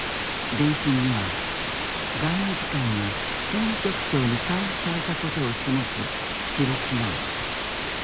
電信には外務次官や政務局長に回付されたことを示す印があった。